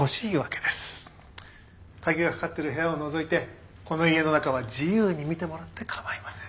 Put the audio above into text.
鍵がかかってる部屋を除いてこの家の中は自由に見てもらって構いません。